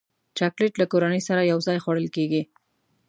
چاکلېټ له کورنۍ سره یوځای خوړل کېږي.